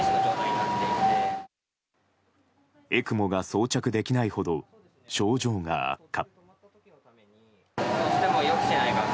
ＥＣＭＯが装着できないほど症状が悪化。